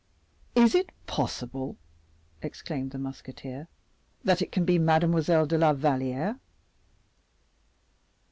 "Is it possible," exclaimed the musketeer, "that it can be Mademoiselle de la Valliere?"